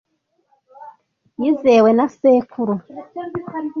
Yizewe na sekuru.